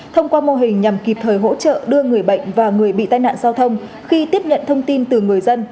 thông qua mô hình nhằm kịp thời hỗ trợ đưa người bệnh và người bị tai nạn giao thông khi tiếp nhận thông tin từ người dân